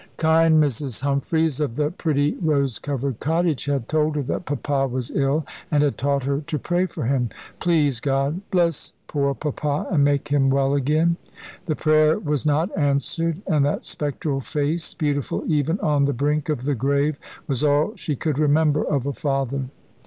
Kind Mrs. Humphries, of the pretty rose covered cottage, had told her that Papa was ill, and had taught her to pray for him. "Please God, bless poor Papa, and make him well again." The prayer was not answered, and that spectral face, beautiful even on the brink of the grave, was all she could remember of a father.